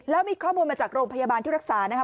แล้วมีข้อมูลมาจากโรงพยาบาลที่รักษานะคะ